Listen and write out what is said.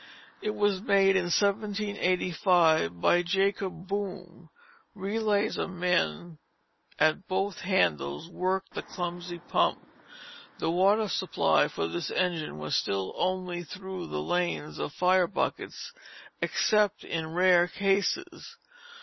It was made in 1785 by Jacob Boome. Relays of men at both handles worked the clumsy pump. The water supply for this engine was still only through the lanes of fire buckets, except in rare cases.